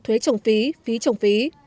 thuế trồng phí phí trồng phí